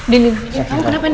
din din kamu kenapa ya din